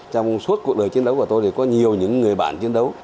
trong suốt cuộc đời chiến đấu của tôi thì có nhiều những người bạn chiến đấu